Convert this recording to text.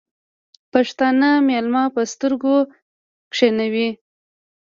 پښتانه مېلمه په سترگو کېنوي.